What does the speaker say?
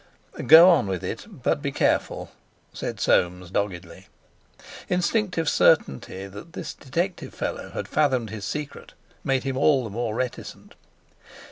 "Go on with it, but be careful," said Soames doggedly. Instinctive certainty that this detective fellow had fathomed his secret made him all the more reticent.